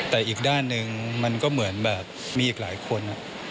แต่อีกด้านหนึ่งมันก็เหมือนแบบมีอีกหลายคน